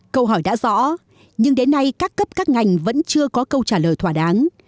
câu hỏi đã rõ nhưng đến nay các cấp các ngành vẫn chưa có câu trả lời thỏa đáng